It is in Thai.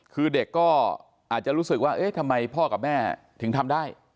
คือเด็กก็อาจจะรู้สึกว่าเอ๊ะทำไมพ่อกับแม่ถึงทำได้